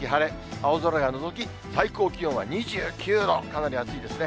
青空がのぞき、最高気温は２９度、かなり暑いですね。